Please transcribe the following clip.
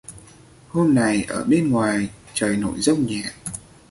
Hôm này ở bên ngoài trời nổi giông nhẹ